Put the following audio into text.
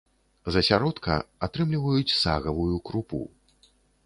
З асяродка атрымліваюць сагавую крупу.